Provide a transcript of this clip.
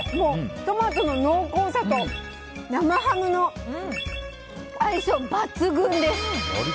トマトの濃厚さと生ハムの相性抜群です！